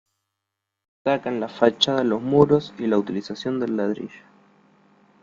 Destaca en la fachada los muros y la utilización del ladrillo.